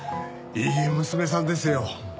いい娘さんですよ。